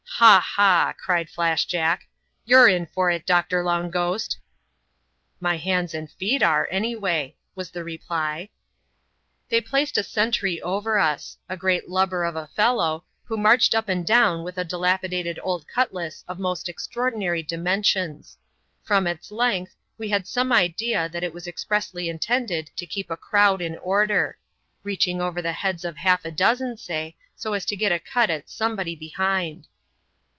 " Ha, ha !" cried Flash Jack, " you're in for it. Doctor Long Ghost." " My hands and feet are, any way," was the reply. The^ placed & sentry over \xa *, a ^xe«ct lubber of a fellow. CHAP. xxvm.J RECEPTION FROM THE FRENCHMAN. 106 who marched up and down with a dilapidated old cutlass of most extraordinary dimensions. From its length, we had some idea that it was expressly intended to keep a crowd in order — reaching over the heads of half a dozen, say, so as to get a cut at somebody behind.